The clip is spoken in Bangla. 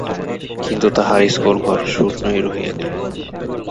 কিন্তু তাহার ইস্কুলঘর শূন্যই রহিয়া গেল।